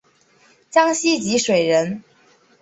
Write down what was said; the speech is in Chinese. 江西吉水人。